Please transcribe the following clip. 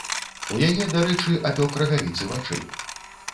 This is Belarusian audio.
У яе, дарэчы, апёк рагавіцы вачэй.